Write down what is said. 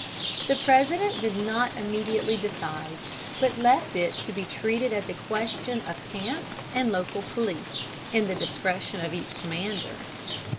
The President did not immediately decide, but left it to be treated as a question of camp and local police, in the discretion of each commander.